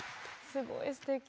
すごいすてき。